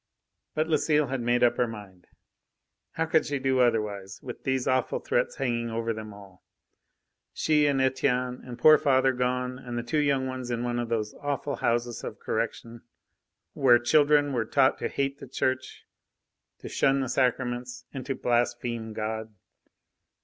But Lucile had made up her mind. How could she do otherwise, with these awful threats hanging over them all? She and Etienne and poor father gone, and the two young ones in one of those awful Houses of Correction, where children were taught to hate the Church, to shun the Sacraments, and to blaspheme God!